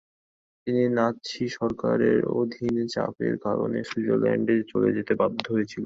তিনি নাৎসি সরকারের অধীনে চাপের কারণে সুইজারল্যান্ডে চলে যেতে বাধ্য হয়েছিলেন।